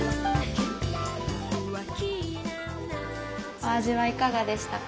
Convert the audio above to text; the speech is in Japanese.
お味はいかがでしたか？